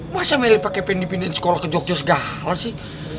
masa meli pake pendipinan sekolah ke jogja segala sih